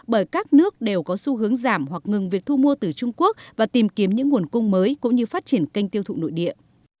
bởi các nước đều có xu hướng giảm hoặc ngừng việc thu mua từ trung quốc và tìm kiếm những nguồn cung mới cũng như phát triển kênh tiêu thụ nội địa